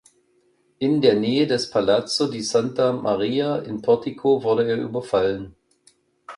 In der Nähe des Palazzo di Santa Maria in Portico wurde er überfallen.